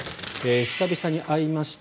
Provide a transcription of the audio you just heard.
久々に会いました。